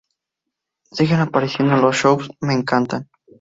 Siguen apareciendo en los shows, me encantan.